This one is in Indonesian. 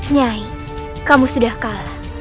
nyai kamu sudah kalah